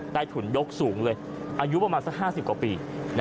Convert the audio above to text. ถุนยกสูงเลยอายุประมาณสัก๕๐กว่าปี